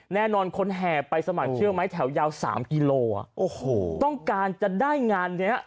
แน่นอนคนแห่ไปสมัครเชื่อไหมแถวยาว๓กิโลอ่ะโอ้โหต้องการจะได้งานเนี้ย